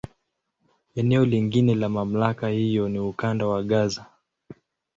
Eneo lingine la MamlakA hiyo ni Ukanda wa Gaza.